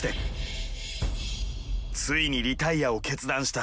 ついにリタイアを決断した。